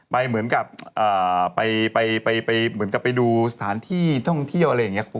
ไปเหมือนกับไปดูสถานที่ที่ต้องเที่ยวอะไรอย่างนี้